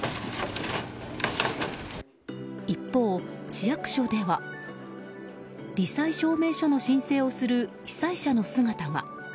一方、市役所では罹災証明書の申請をする被災者の姿が。